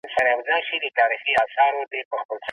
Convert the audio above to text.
زه به اوږده موده د هنرونو تمرين کړی وم.